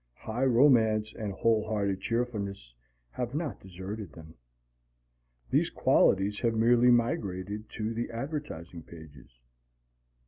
High romance and whole hearted cheerfulness have not deserted them. These qualities have merely migrated to the advertising pages.